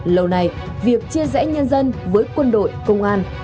lâu nay việc chia rẽ nhân dân với quân đội công an